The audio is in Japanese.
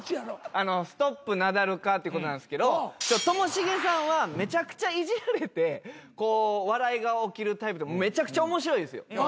ナダル化ということなんですけどともしげさんはめちゃくちゃいじられて笑いが起きるタイプでめちゃくちゃ面白いです。